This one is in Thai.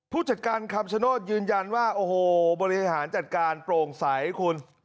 ผู้จัดการคำชโนธยืนยันว่าโอ้โหบริหารจัดการโปร่งใสคุณ